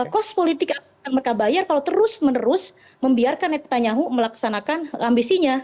cost politik yang akan mereka bayar kalau terus menerus membiarkan netanyahu melaksanakan ambisinya